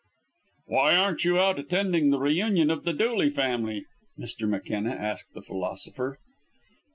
"Why aren't you out attending the reunion of the Dooley family?" Mr. McKenna asked the philosopher.